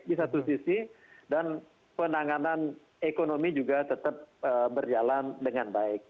di satu sisi dan penanganan ekonomi juga tetap berjalan dengan baik